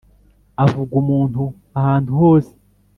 avuga umuntu, ahantu hose